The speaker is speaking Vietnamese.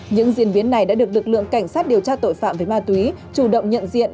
những diễn biến này đã được lực lượng cảnh sát điều tra tội phạm về ma túy chủ động nhận diện